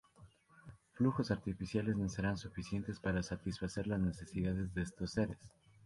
Flujos artificiales no serán suficientes para satisfacer las necesidades de estos seres.